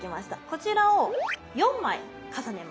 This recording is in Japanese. こちらを４枚重ねます。